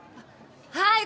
はい。